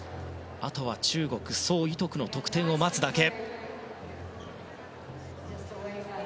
あとは中国ソ・イトクの得点を待つだけ。